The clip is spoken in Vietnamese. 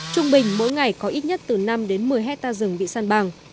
trung bình mỗi ngày có ít nhất từ năm đến một mươi hectare rừng bị san bằng